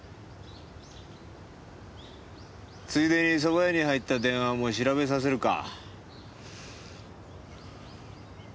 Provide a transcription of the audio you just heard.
ついでにそば屋に入った電話も調べさせるか？